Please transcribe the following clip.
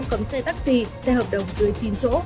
cấm xe taxi xe hợp đồng dưới chín chỗ